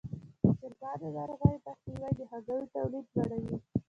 د چرګانو ناروغیو مخنیوی د هګیو تولید لوړوي.